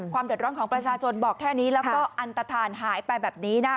เดือดร้อนของประชาชนบอกแค่นี้แล้วก็อันตฐานหายไปแบบนี้นะ